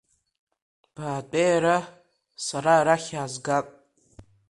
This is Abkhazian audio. Баатәеи ара, сара арахь иаазгап…